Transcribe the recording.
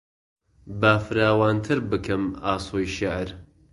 با فراوانتر بکەم ئاسۆی شێعر